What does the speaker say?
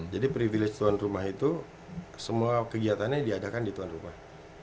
jadi privilege tuan rumah itu semua kegiatannya diadakan di tuan rumah